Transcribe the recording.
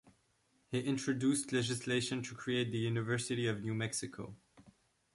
He introduced legislation to create the University of New Mexico.